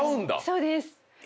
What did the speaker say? ⁉そうです。